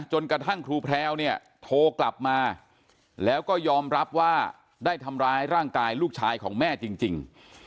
จนกระทั่งครูแพรวเนี่ยโทรกลับมาแล้วก็ยอมรับว่าได้ทำร้ายร่างกายลูกชายของแม่จริง